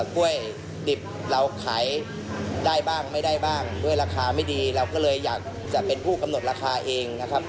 กล้วยดิบเราขายได้บ้างไม่ได้บ้างด้วยราคาไม่ดีเราก็เลยอยากจะเป็นผู้กำหนดราคาเองนะครับ